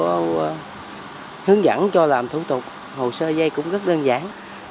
có hướng dẫn cho làm thủ tục hồ sơ dây cũng rất đơn giản